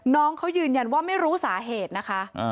น้องเขายืนยันว่าไม่รู้สาเหตุนะคะ